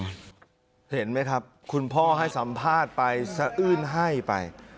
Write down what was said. แถมอย่างเอาปืนไปยิงเอา